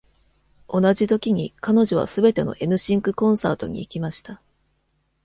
同じときに、彼女はすべての N シンクコンサートに行きました。